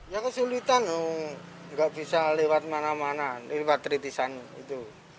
ya kesulitan nggak bisa lewat mana mana lewat tritisan itu